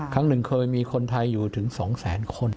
ครั้งหนึ่งเคยมีคนไทยอยู่ถึง๒แสนคน